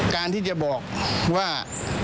การที่จะบอกว่า